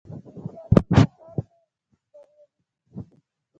هندیان په بهر کې بریالي دي.